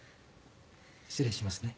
失礼しますね。